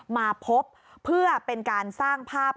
มาพบเพื่อเป็นการสร้างภาพ